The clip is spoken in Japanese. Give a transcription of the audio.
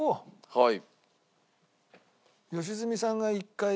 はい。